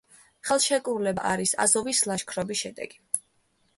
ხელშეკრულება არის აზოვის ლაშქრობის შედეგი.